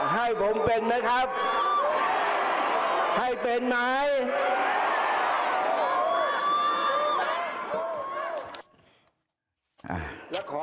ให้ผมเป็นไหมครับให้เป็นไหม